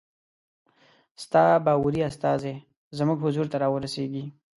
ستا باوري استازی زموږ حضور ته را ورسیږي.